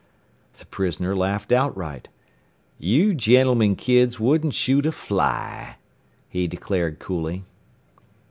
The prisoner laughed outright. "You gentleman kids wouldn't shoot a fly," he declared coolly.